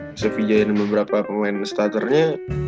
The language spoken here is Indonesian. joseph pija dan beberapa pemain starternya